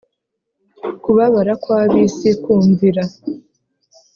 Kubabara kw ab isi Kumvira